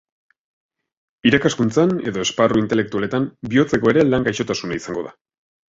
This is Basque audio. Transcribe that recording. Irakaskuntzan edo esparru intelektualetan, bihotzekoa ere lan gaixotasuna izango da.